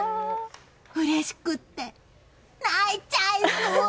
うれしくって泣いちゃいそう。